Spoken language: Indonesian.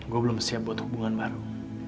gue belum siap buat hubungan baru